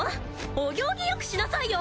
お行儀よくしなさいよ！